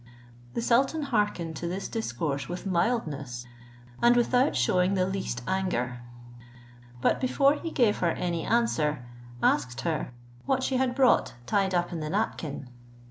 The sultan hearkened to this discourse with mildness, and without shewing the least anger; but before he gave her any answer, asked her what she had brought tied up in the napkin.